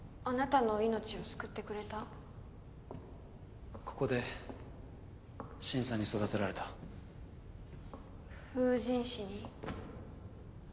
あなたの命を救ってくれたここで真さんに育てられた封刃師に？